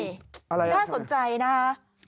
ถ้าสนใจนะครับ